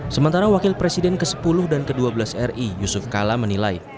sementara wakil presiden ke sepuluh dan ke dua belas ri yusuf kala menilai